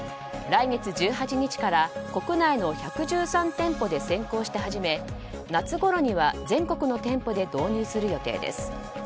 来月１８日から国内の１１３店舗で先行して始め、夏ごろには全国の店舗で導入する予定です。